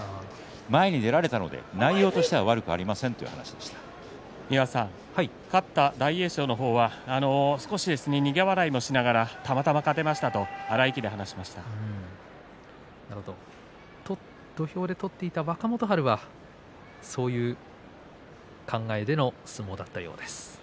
前に出られたので内容としては勝った大栄翔の方は少し苦笑いをしながらたまたま勝てましたと土俵で取っていた若元春はそういう考えでの相撲だったようです。